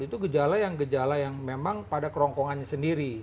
itu gejala yang memang pada kerongkongannya sendiri